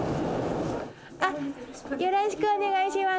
よろしくお願いします。